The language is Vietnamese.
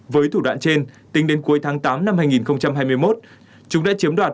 với thủ đoạn trên tính đến cuối tháng tám năm hai nghìn hai mươi một